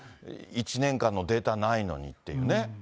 １年間のデータないのにっていうね。